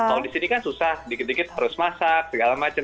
kalau di sini kan susah dikit dikit harus masak segala macam